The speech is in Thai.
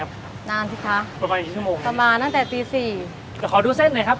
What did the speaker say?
การันตีเลยว่ามาที่นี่ต้องกินแซ่นแรง